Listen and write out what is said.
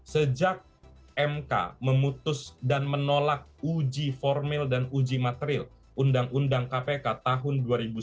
sejak mk memutus dan menolak uji formil dan uji materil undang undang kpk tahun dua ribu sembilan belas